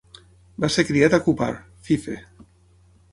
Va ser criat a Cupar, Fife.